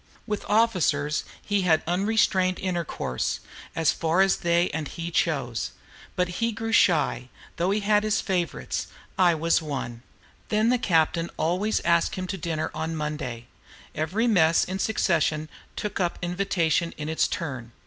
With officers he had unrestrained intercourse, as far as they and he chose. But he grew shy, though he had favorites: I was one. Then the captain always asked him to dinner on Monday. Every mess in succession took up the invitation in its turn.